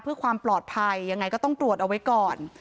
เพื่อความปลอดภัยยังไงก็ต้องตรวจเอาไว้ก่อน